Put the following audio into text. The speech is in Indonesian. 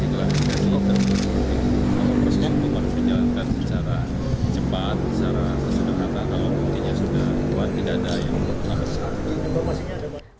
kita harus menjalankan secara cepat secara sederhana kalau buktinya sudah keluar tidak ada yang memperkenalkan